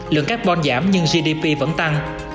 lượng carbon giảm nhưng gdp vẫn tăng